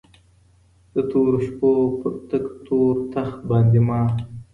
د تورو شپو پر تك تور تخت باندي مــــــا